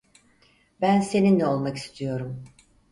Ben seninle olmak istiyorum.